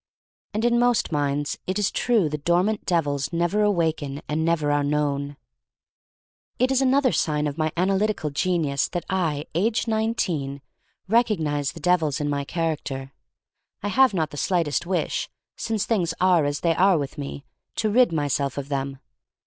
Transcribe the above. And in most minds it is true the dormant devils never awaken and never are known. 266 THE STORY OF MARY MAC LANE 267 It is another sign of my analytical genius, that I, aged nineteen, recognize the devils in my character. I have not the slightest wish, since things are as they are with me, to rid myself of them.